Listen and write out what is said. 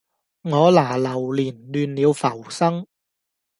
我拿流年，亂了浮生